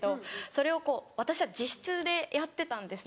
それを私は自室でやってたんです